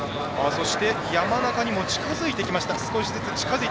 そして山中にも近づいてきました。